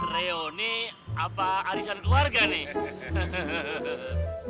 reuni apa arisan keluarga nih